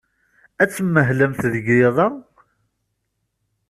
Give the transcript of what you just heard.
Ad tmahlemt deg yiḍ-a?